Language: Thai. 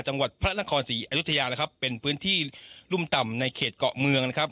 จังหวัดพระนครศรีอยุธยานะครับเป็นพื้นที่รุ่มต่ำในเขตเกาะเมืองนะครับ